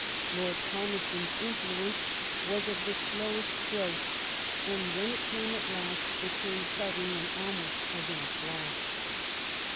Lord Palmerston's influence was of the slowest growth, and when it came at last it came suddenly and almost as in a flash.